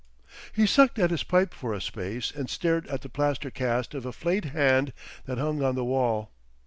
He sucked at his pipe for a space and stared at the plaster cast of a flayed hand that hung on the wall.